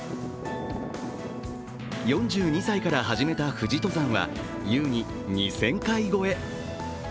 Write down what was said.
４２歳から始めた富士登山は優に２０００回超え。